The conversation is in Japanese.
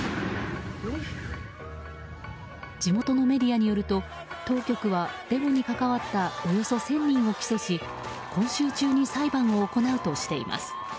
地元のメディアによると、当局はデモに関わったおよそ１０００人を起訴し今週中に裁判を行うとしています。